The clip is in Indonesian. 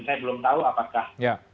saya belum tahu apakah